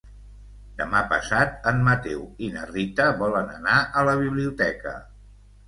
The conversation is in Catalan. Demà passat en Mateu i na Rita volen anar a la biblioteca.